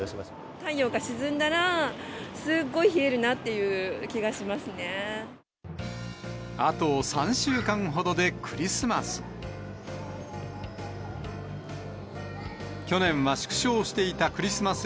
太陽が沈んだら、すごい冷えあと３週間ほどでクリスマス。